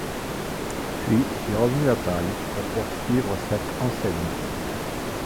Puis il est revenu à Paris pour poursuivre cet enseignement.